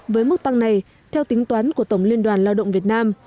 với mức tăng này theo tính toán của tổng liên đoàn lao động việt nam